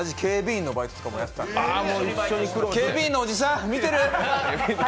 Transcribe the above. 警備員のおじさん、見てる？